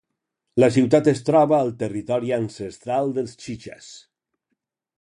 La ciutat es troba al territori ancestral dels chichas.